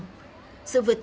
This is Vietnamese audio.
ngày sau lễ khai mạc